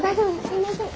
すいません。